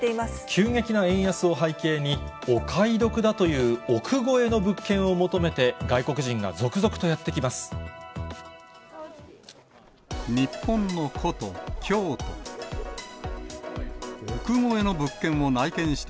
急激な円安を背景に、お買い得だという億超えの物件を求めて、外国人が続々とやって来ます。